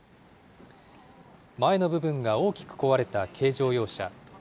前の部分が大きく壊れた軽乗用車。